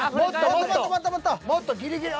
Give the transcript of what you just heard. もっとギリギリ。